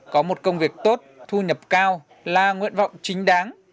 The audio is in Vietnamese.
có một công việc tốt thu nhập cao là nguyện vọng chính đáng